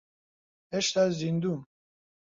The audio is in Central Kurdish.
هێشتا زیندووم.